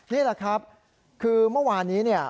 นี่แหละครับคือเมื่อวานนี้เนี่ย